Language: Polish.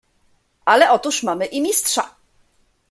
"Ale otóż mamy i Mistrza!"